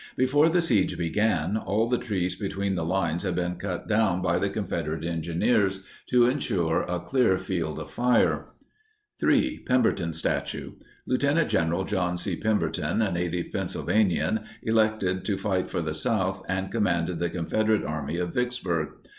Before the siege began, all the trees between the lines had been cut down by the Confederate engineers to insure a clear field of fire. 3. PEMBERTON STATUE. Lt. Gen. John C. Pemberton, a native Pennsylvanian, elected to fight for the South and commanded the Confederate Army of Vicksburg.